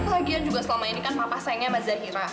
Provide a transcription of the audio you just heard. lagian juga selama ini kan papa sayangnya sama zahira